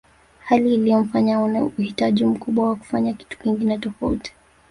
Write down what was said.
Hali iliyomfanya aone uhitaji mkubwa wa kufanya kitu kingine tofauti